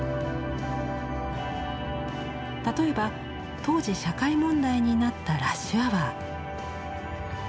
例えば当時社会問題になったラッシュアワー。